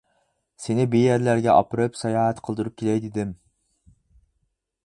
سېنى بىر يەرلەرگە ئاپىرىپ ساياھەت قىلدۇرۇپ كېلەي-دېدىم.